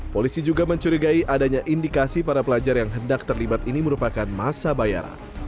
polisi juga mencurigai adanya indikasi para pelajar yang hendak terlibat ini merupakan masa bayaran